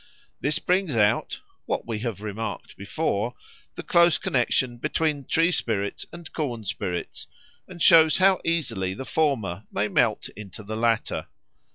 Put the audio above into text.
This brings out what we have remarked before the close connexion between tree spirits and corn spirits, and shows how easily the former may melt into the latter.